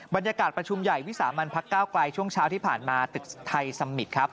บรรยากาศประชุมใหญ่วิสามันพักก้าวไกลช่วงเช้าที่ผ่านมาตึกไทยสมิตรครับ